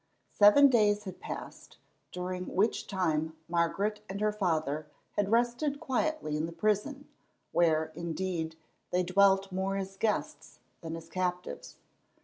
Seven days had passed, during which time Margaret and her father had rested quietly in the prison, where, indeed, they dwelt more as guests than as captives.